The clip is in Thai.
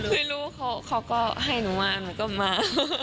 คือลูกเขาก็ให้หนูมาหนูก็มา